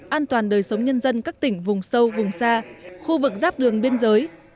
an toàn đời sống nhân dân các tỉnh vùng sâu vùng xa khu vực giáp đường biên giới